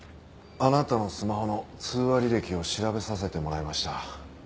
あなたのスマホの通話履歴を調べさせてもらいました。